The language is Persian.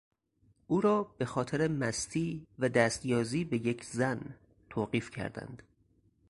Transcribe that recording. او را به خاطر مستی و دست یازی به یک زن توقیف کردند.